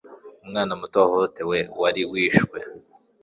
umwana muto wahohotewe wari wishwe